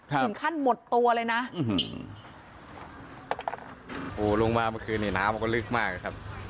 ถึงขั้นหมดตัวเลยนะโอ้ลงมาเมื่อคืนนี้น้ำมันก็ลึกมากนะครับ